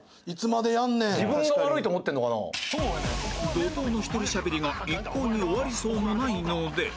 怒濤の１人しゃべりが一向に終わりそうにないので